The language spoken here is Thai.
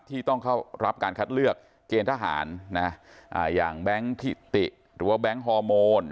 ที่ต้องเข้ารับการคัดเลือกเกณฑ์ทหารนะอย่างแบงค์ถิติหรือว่าแบงค์ฮอร์โมน